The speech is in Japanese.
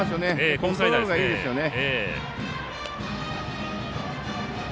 コントロールいいですよね。